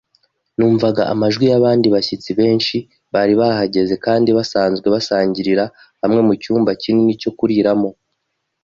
Numvaga amajwi yabandi bashyitsi benshi bari bahageze kandi basanzwe basangirira hamwe mucyumba kinini cyo kuriramo.